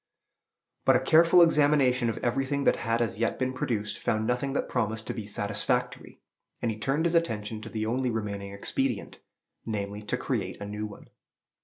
But a careful examination of everything that had as yet been produced found nothing that promised to be satisfactory; and he turned his attention to the only remaining expedient, namely, to create a new one.